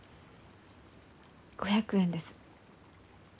５００円です。